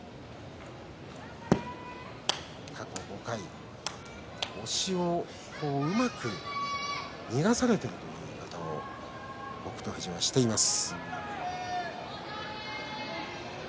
過去５回、押しをうまくいなされていると北勝富士は話しています。